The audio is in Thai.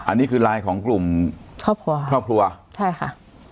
อันนี้คือไลน์ของกลุ่มครอบครัวครอบครัวใช่ค่ะ